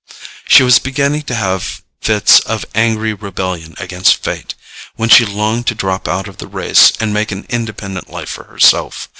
She was beginning to have fits of angry rebellion against fate, when she longed to drop out of the race and make an independent life for herself.